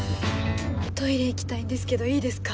トイレ行きたいんですけどいいですか？